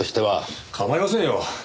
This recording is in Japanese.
構いませんよ。